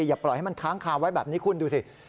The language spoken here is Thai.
อย่าปล่อยให้มันค้างคาไว้แบบนี้คุณดูสิ